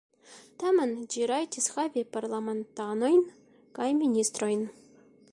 Tamen ĝi rajtis havi parlamentanojn kaj ministrojn.